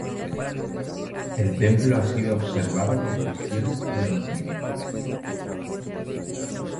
El templo ha sido observado por cuestiones de mantenimiento.